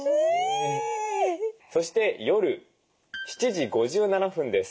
そして夜７時５７分です。